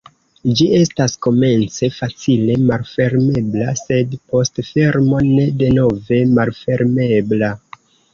Ĝi estas komence facile malfermebla, sed post fermo ne denove malfermebla.